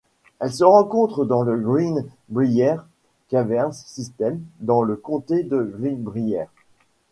Elle se rencontre dans le Greenbrier Caverns System dans le comté de Greenbrier.